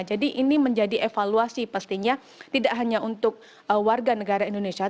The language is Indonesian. jadi ini menjadi evaluasi pastinya tidak hanya untuk warga negara indonesia